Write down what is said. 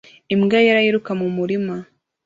Imbwa yera yiruka mu murima